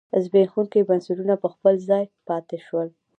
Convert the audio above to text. زبېښونکي بنسټونه په خپل ځای پاتې شول.